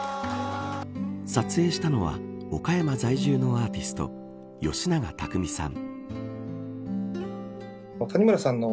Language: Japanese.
撮影したのは岡山在住のアーティスト吉永拓未さん。